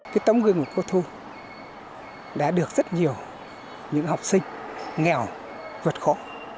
cái tấm gương của cô thu đã được rất nhiều những học sinh nghèo vượt khổ